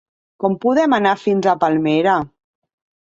Com podem anar fins a Palmera?